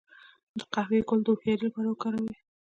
د قهوې ګل د هوښیارۍ لپاره وکاروئ